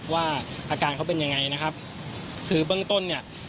ว่าอาการเขาเป็นยังไงนะครับคือเบื้องต้นเนี่ย